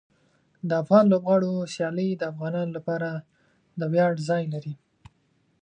د افغان لوبغاړو سیالۍ د افغانانو لپاره د ویاړ ځای لري.